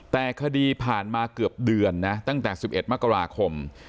แต่คดีผ่านมาเกือบเดือนนะตั้งแต่๑๑มกราคม